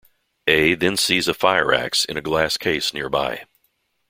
A then sees a fire axe in a glass case nearby.